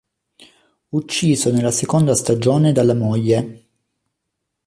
Ucciso nella seconda stagione dalla moglie.